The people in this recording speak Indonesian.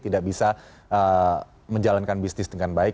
tidak bisa menjalankan bisnis dengan baik